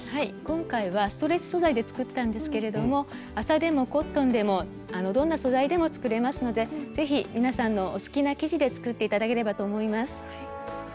今回はストレッチ素材で作ったんですけれども麻でもコットンでもどんな素材でも作れますので是非皆さんのお好きな生地で作って頂ければと思います。